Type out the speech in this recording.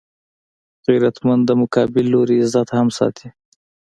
غیرتمند د مقابل لوري عزت هم ساتي